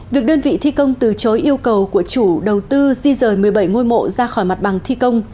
việc đơn vị thi công từ chối yêu cầu của chủ đầu tư di rời một mươi bảy ngôi mộ ra khỏi mặt bằng thi công